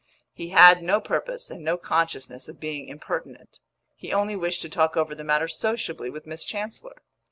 He had no purpose and no consciousness of being impertinent; he only wished to talk over the matter sociably with Miss Chancellor.